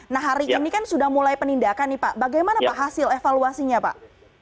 nah hari ini kan sudah mulai penindakan nih pak bagaimana pak hasil evaluasinya pak